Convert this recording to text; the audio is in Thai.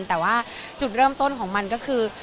แต่ว่าจุดเริ่มต้นของมันก็คือ